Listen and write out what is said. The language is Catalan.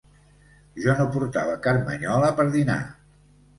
Jo no portava carmanyola per dinar.